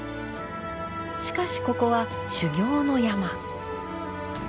しかしここは修行の山。